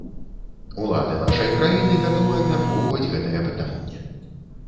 Улады нашай краіны гатовы абмяркоўваць гэтае пытанне.